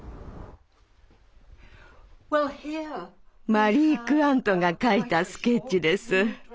マリー・クワントが描いたスケッチです。